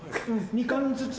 ２貫ずつ！